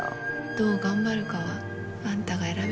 どう頑張るかはあんたが選べるんだよ。